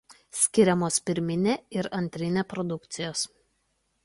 Skiriamos pirminė ir antrinė produkcijos.